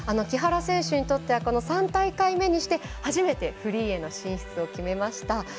木原選手にとっては３大会目にして初めてフリーへの進出を決めました。